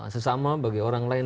sesama bagi orang lain